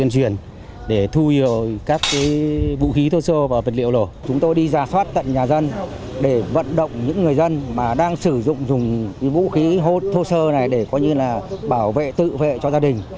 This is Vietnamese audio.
chúng tôi đi ra soát tận nhà dân để vận động những người dân mà đang sử dụng vũ khí hốt thô sơ này để bảo vệ tự vệ cho gia đình